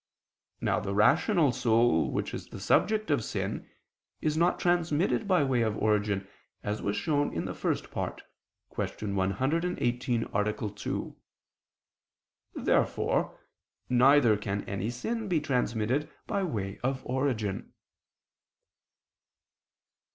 Now the rational soul which is the subject of sin, is not transmitted by way of origin, as was shown in the First Part (Q. 118, A. 2). Therefore neither can any sin be transmitted by way of origin.